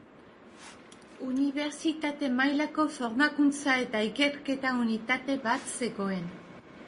Unibertsitate mailako formakuntza eta ikerketa unitate bat zegoen.